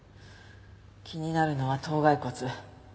気になるのは頭蓋骨。